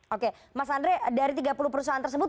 oke mas andre dari tiga puluh perusahaan tersebut